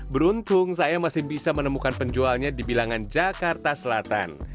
beruntung saya masih bisa menemukan penjualnya di bilangan jakarta selatan